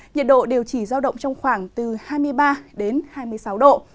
nhiệt độ đều chỉ giao động trong khoảng từ hai mươi ba đến hai mươi sáu độ